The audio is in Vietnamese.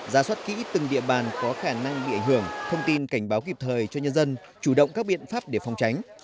ra soát kỹ từng địa bàn có khả năng bị ảnh hưởng thông tin cảnh báo kịp thời cho nhân dân chủ động các biện pháp để phòng tránh